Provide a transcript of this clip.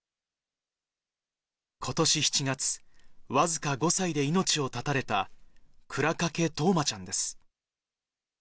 ことし７月、僅か５歳で命を絶たれた、倉掛冬生ちゃんです。